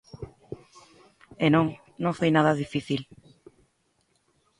E non, non foi nada difícil.